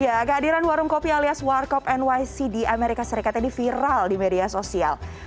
ya kehadiran warung kopi alias warkop nyc di amerika serikat ini viral di media sosial